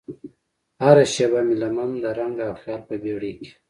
هره شیبه مې لمن د رنګ او خیال په بیړۍ کې